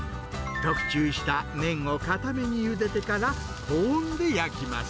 特注した麺を硬めにゆでてから、高温で焼きます。